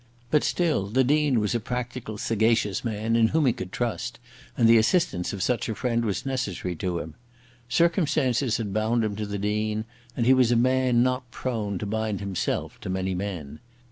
But still the Dean was a practical, sagacious man, in whom he could trust; and the assistance of such a friend was necessary to him. Circumstances had bound him to the Dean, and he was a man not prone to bind himself to many men.